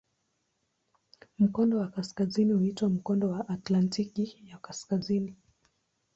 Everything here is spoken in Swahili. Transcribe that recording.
Mkono wa kaskazini huitwa "Mkondo wa Atlantiki ya Kaskazini".